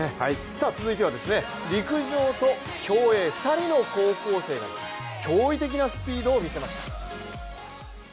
続いては陸上と競泳２人の高校生、驚異的なスピードを見せました。